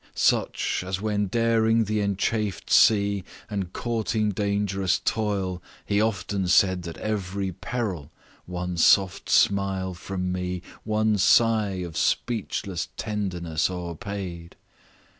"Such, as when daring the enchafed sea, And courting dangerous toil, he often said That every peril, one soft smile from me, One sigh of speechless tenderness o'erpaid.